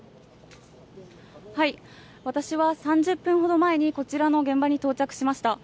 私は３０分ほど前にこちらの現場に到着しました。